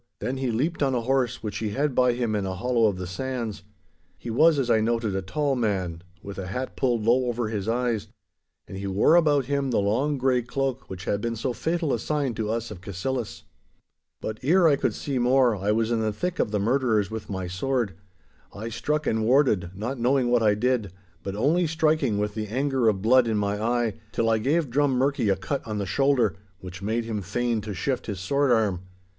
Then he leaped on a horse which he had by him in a hollow of the sands. He was, as I noted, a tall man, with a hat pulled low over his eyes, and he wore about him the long grey cloak which had been so fatal a sign to us of Cassillis. But ere I could see more, I was in the thick of the murderers with my sword. I struck and warded, not knowing what I did, but only striking, with the anger of blood in my eye, till I gave Drummurchie a cut on the shoulder, which made him fain to shift his sword arm.